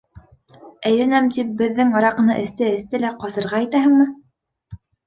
Әйләнәм тип беҙҙең араҡыны эсте-эсте лә, ҡасырға итәһеңме?